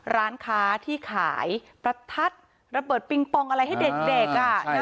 ร้านค้าที่ขายประทัดระเบิดปิงปองอะไรให้เด็กอ่ะใช่เลยค่ะ